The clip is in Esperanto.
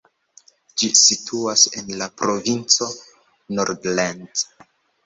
Ĝi situas en la provinco Nordland.